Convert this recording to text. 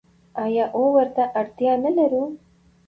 آیا او ورته اړتیا نلرو؟